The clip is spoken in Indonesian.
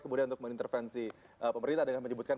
kemudian untuk mengintervensi pemerintah dengan menyebutkan